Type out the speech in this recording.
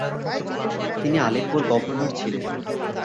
তিনি আলেপ্পোর গভর্নর ছিলেন।